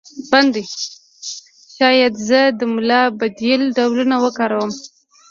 شاید که زه د املا بدیل ډولونه وکاروم